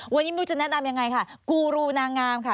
วันนี้มุจะแนะนำยังไงค่ะกูรูนางงามค่ะ